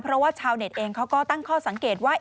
เพราะว่าชาวเน็ตเองเขาก็ตั้งข้อสังเกตว่า